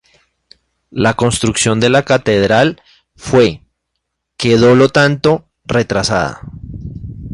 La construcción de la catedral fue, quedó lo tanto, retrasada.